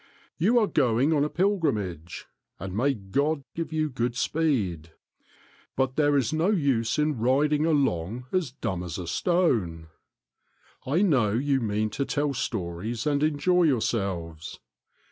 You are going on a pilgrimage, and may God give you good speed ; but there is no use in rid ing along as dumb as a stone. I know you mean to tell stories and enjoy yourselves.